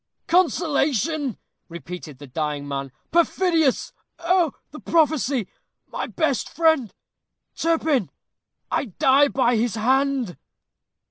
"Consolation!" repeated the dying man; "perfidious! oh! the prophecy my best friend Turpin I die by his hand."